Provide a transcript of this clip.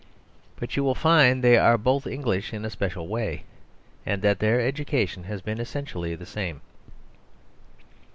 But you will find they are both English in a special way, and that their education has been essentially the same.